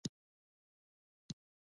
آیا د خاله او عمه کره تګ راتګ نه کیږي؟